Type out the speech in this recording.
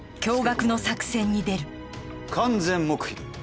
完全黙秘だ！